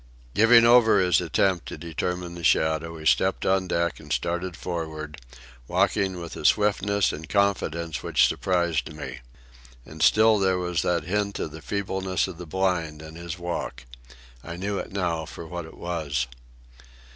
Giving over his attempt to determine the shadow, he stepped on deck and started forward, walking with a swiftness and confidence which surprised me. And still there was that hint of the feebleness of the blind in his walk. I knew it now for what it was.